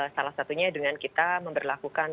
salah satunya dengan kita memperlakukan